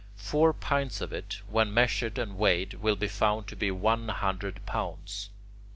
Four pints of it, when measured and weighed, will be found to be one hundred pounds.